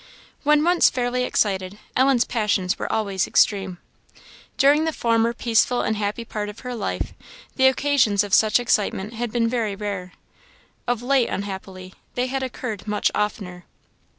When once fairly excited, Ellen's passions were always extreme. During the former peaceful and happy part of her life, the occasions of such excitement had been very rare. Of late, unhappily, they had occurred much oftener.